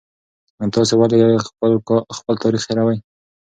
تاسې ولې خپل تاریخ هېروئ؟